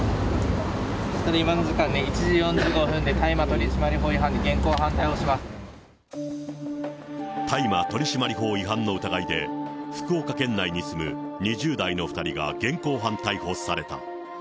したら、今の時間ね、１時４５分で大麻取大麻取締法違反の疑いで、福岡県内に住む２０代の２人が現行犯逮捕された。